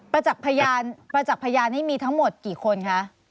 ประจักษ์พยานนี้มีทั้งหมดกี่คนคะ